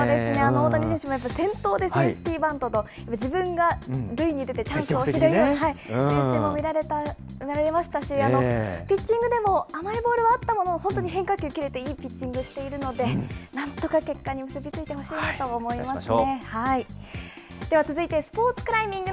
大谷選手も先頭でセーフティーバントと、自分が塁に出てチャンスを広げるようにという姿勢も見られましたし、ピッチングでも甘いボールはあったものの、本当に変化球きれて、いいピッチングしているので、なんとか結果に結び付いてほしいなと思いますね。